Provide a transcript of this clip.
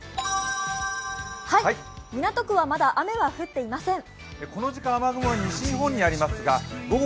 港区はまだ雨は降っていません。